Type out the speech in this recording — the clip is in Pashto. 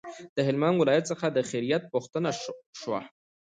د هلمند ولایت څخه د خیریت پوښتنه شوه.